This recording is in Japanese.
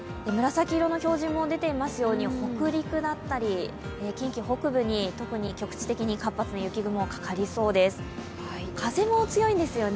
紫色の表示も出ていますように北陸だったり、近畿北部に特に局地的に活発な雪雲がかかりそうです。